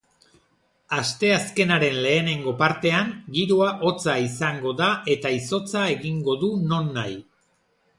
Asteazkenaren lehenengo partean giroa hotza izango daeta izotza egingo du nonahi.